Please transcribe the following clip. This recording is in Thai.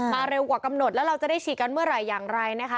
เร็วกว่ากำหนดแล้วเราจะได้ฉีดกันเมื่อไหร่อย่างไรนะคะ